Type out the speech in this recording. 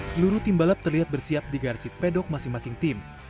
seluruh tim balap terlihat bersiap di garasi pedok masing masing tim